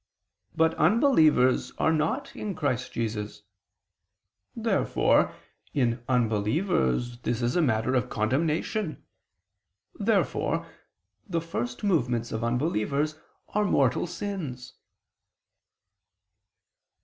But unbelievers are not in Christ Jesus. Therefore in unbelievers this is a matter of condemnation. Therefore the first movements of unbelievers are mortal sins.